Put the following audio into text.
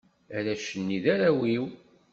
Arrac-nni, d arraw-iw.